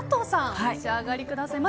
お召し上がりください。